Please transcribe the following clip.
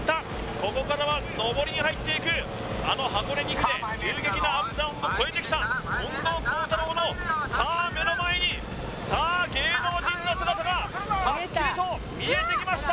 ここからは上りに入っていくあの箱根２区で急激なアップダウンを越えてきた近藤幸太郎のさあ目の前にさあ芸能人の姿がはっきりと見えてきました